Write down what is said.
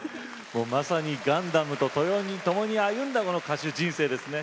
まさにガンダムとともに歩んだ歌手人生ですね。